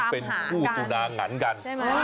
เป็นคู่ตุนางันกัน